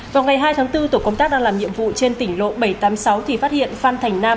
vào ngày hai tháng bốn tổ công tác đang làm nhiệm vụ trên tỉnh lộ bảy trăm tám mươi sáu thì phát hiện phan thành nam